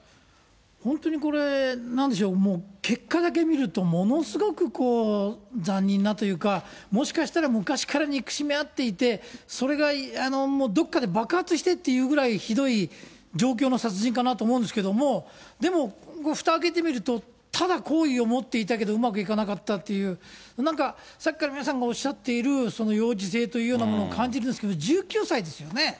本当にこれ、なんでしょう、もう結果だけ見るとものすごくこう、残忍なというか、もしかしたら昔から憎しみあっていて、それがもう、どっかで爆発してっていうぐらいひどい状況の殺人かなと思うんですけれども、でもふたを開けて見ると、ただ好意を持っていたけどうまくいかなかったっていう、なんかさっきから皆さんがおっしゃっている、幼稚性というようなものを感じるんですけど、１９歳ですよね。